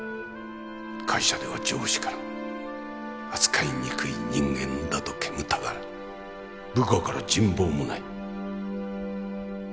会社では上司から扱いにくい人間だと煙たがられ部下から人望もない